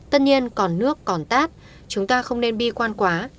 tất nhiên còn nước còn tát chúng ta không nên bi quan quá